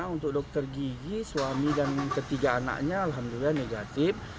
untuk dokter gigi suami dan ketiga anaknya alhamdulillah negatif